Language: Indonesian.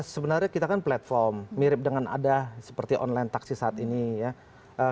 sebenarnya kita kan platform mirip dengan ada seperti online taksi saat ini ya